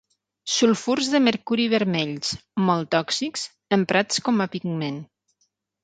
Sulfurs de mercuri vermells, molt tòxics, emprats com a pigment.